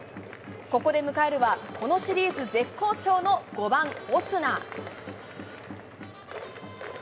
ここで迎えるは、このシリーズ絶好調の５番オスナ。